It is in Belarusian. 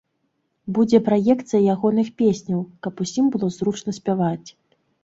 Будзе праекцыя ягоных песняў, каб усім было зручна спяваць.